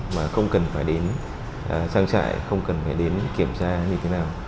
mà không cần phải đến trang trại không cần phải đến kiểm tra như thế nào